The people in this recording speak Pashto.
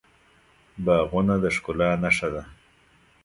باغونه د ښکلا نښه ده.